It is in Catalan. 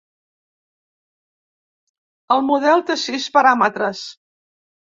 El model té sis paràmetres.